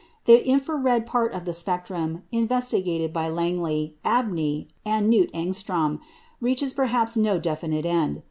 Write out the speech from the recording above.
The infra red part of the spectrum, investigated by Langley, Abney, and Knut Ångström, reaches perhaps no definite end.